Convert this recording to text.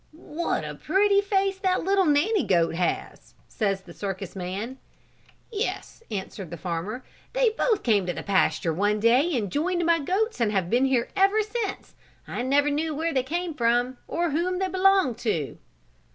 "What a pretty face that little Nanny goat has," said the circus man. "Yes," answered the farmer, "they both came to the pasture one day and joined my goats and have been here ever since. I never knew where they came from, or whom they belonged to."